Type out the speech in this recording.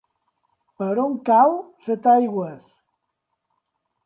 Per on cau Setaigües?